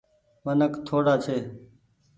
منک ٿوڙآ ڇي۔